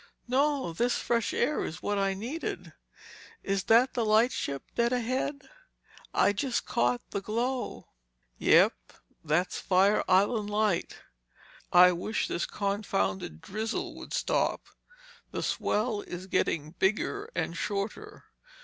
"No, this fresh air is what I needed. Is that the lightship dead ahead? I just caught the glow." "Yep. That's Fire Island Light. I wish this confounded drizzle would stop. The swell is getting bigger and shorter.